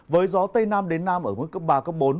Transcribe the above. với gió tây nam đến nam ở mức cấp ba cấp bốn